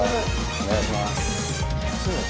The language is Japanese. お願いします。